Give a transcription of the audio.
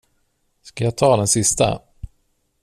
Ska jag ta den sista?